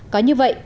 có như vậy